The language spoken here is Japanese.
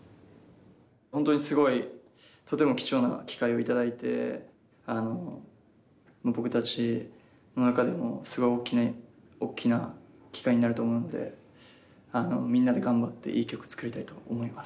本当にすごいとても貴重な機会を頂いて僕たちの中でもすごい大きな機会になると思うのでみんなで頑張っていい曲作りたいと思います